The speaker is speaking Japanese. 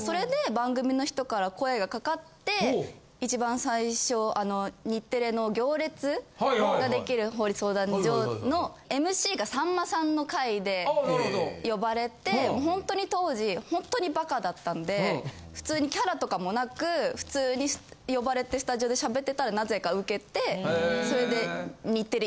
それで番組の人から声がかかって一番最初あの日テレの『行列のできる法律相談所』のＭＣがさんまさんの回で呼ばれてほんとに当時ほんとにバカだったんで普通にキャラとかもなく普通に呼ばれてスタジオで喋ってたらなぜかウケてそれで。